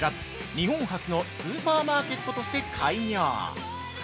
日本初のスーパーマーケットとして開業。